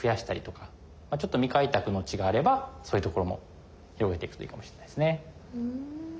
ちょっと未開拓の地があればそういうところも広げていくといいかもしれないですね。